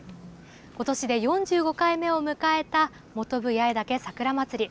ことしで４５回目を迎えたもとぶ八重岳桜まつり。